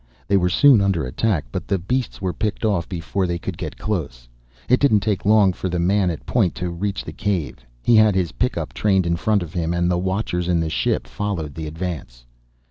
They were soon under attack, but the beasts were picked off before they could get close. It didn't take long for the man at point to reach the cave. He had his pickup trained in front of him, and the watchers in the ship followed the advance.